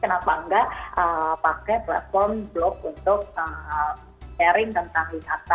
kenapa enggak pakai platform blog untuk sharing tentang wisata